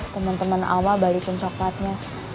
temen temen alma balikin sokatnya